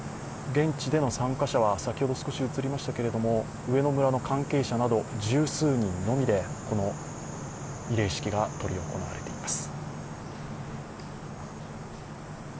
現地での参加者は先ほど少し映りましたけれども上野村の関係者など十数人のみでこの慰霊式が執り行われています。